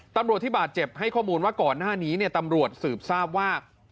ตำรวจที่บาดเจ็บให้ข้อมูลว่าก่อนหน้านี้ตำรวจสืบทราบว่า